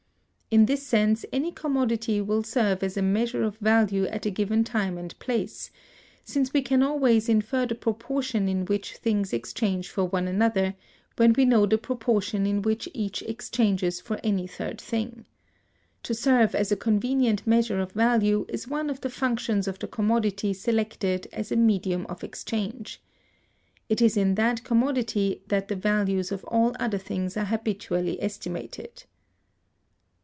In this sense, any commodity will serve as a measure of value at a given time and place; since we can always infer the proportion in which things exchange for one another, when we know the proportion in which each exchanges for any third thing. To serve as a convenient measure of value is one of the functions of the commodity selected as a medium of exchange. It is in that commodity that the values of all other things are habitually estimated.